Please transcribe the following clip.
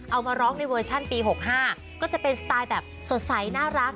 เอามาร้องในเวอร์ชันปี๖๕ก็จะเป็นสไตล์แบบสดใสน่ารัก